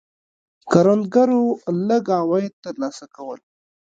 کروندګرو لږ عواید ترلاسه کول.